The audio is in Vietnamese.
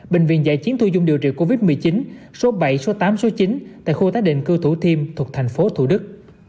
bệnh viện giải chiến thu dung điều trị covid một mươi chín số bảy số tám số chín tại khu tái định cư thủ thiêm thuộc thành phố thủ đức